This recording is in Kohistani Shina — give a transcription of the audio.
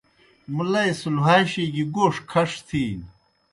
مُلئی سہ لُہاشیْ گیْ گوݜ کھݜ تِھینیْ۔